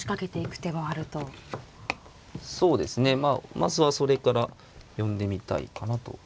まずはそれから読んでみたいかなと。